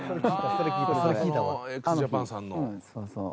そうそう。